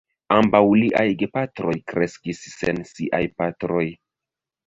Ambaŭ liaj gepatroj kreskis sen siaj patroj.